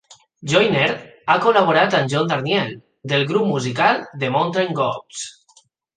Joyner ha col·laborat amb John Darnielle, del grup musical The Mountain Goats.